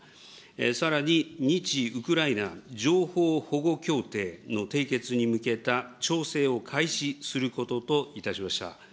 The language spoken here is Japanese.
さらに、日ウクライナ情報保護協定の締結に向けた調整を開始することといたしました。